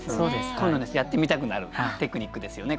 こういうのやってみたくなるテクニックですよね